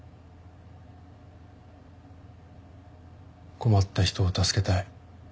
困った人を助けたい。